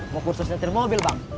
mau kursus nyetir mobil bang